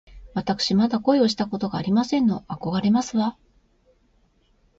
わたくしまだ恋をしたことがありませんの。あこがれますわ